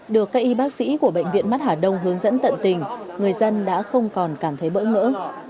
được các y bác sĩ của bệnh viện mắt hà đông hướng dẫn tận tình người dân đã không còn cảm thấy bỡ ngỡ